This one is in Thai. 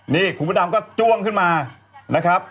นี่คุณพระดำก็จ้วงขึ้นมานะครับ